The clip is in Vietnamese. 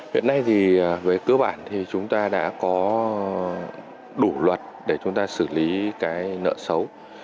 hiện nay thì về cơ bản thì chúng ta đã có đủ luật để chúng ta xử lý cái nợ xấu